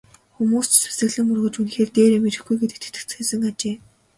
Хүмүүс ч сүсэглэн мөргөж үнэхээр дээрэм ирэхгүй гэдэгт итгэцгээсэн ажээ.